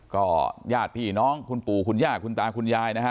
ก็ญาติพี่น้องคุณปู่คุณย่าคุณตาคุณยายนะฮะ